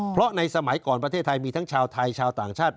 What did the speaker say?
เพราะในสมัยก่อนประเทศไทยมีทั้งชาวไทยชาวต่างชาติ